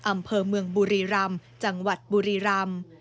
อำเภอเมืองบุรีรำจังหวัดบุรีรำ